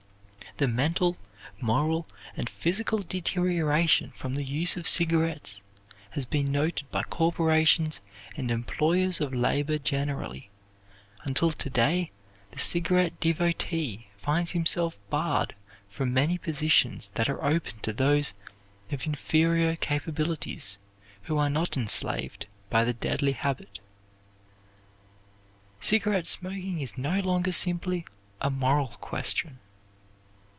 The mental, moral, and physical deterioration from the use of cigarettes, has been noted by corporations and employers of labor generally, until to day the cigarette devotee finds himself barred from many positions that are open to those of inferior capabilities, who are not enslaved by the deadly habit. Cigarette smoking is no longer simply a moral question.